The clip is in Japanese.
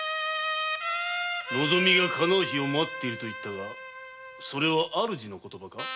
望みがかなう日を待っていると言ったがそれは主の言葉か？